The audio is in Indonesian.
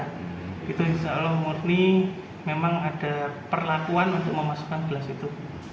itu insya allah murni memang ada perlakuan untuk memasukkan gelas itu